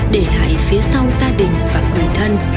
để hãy phía sau gia đình và người thân